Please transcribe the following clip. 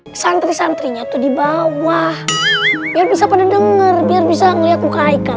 hai santri santrinya tuh di bawah ya bisa pada denger biar bisa ngelihat muka ikan